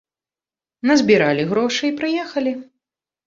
Назбіралі грошы і прыехалі.